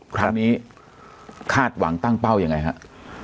ครั้งนี้คาดหวังตั้งเป้ายังไงฮะ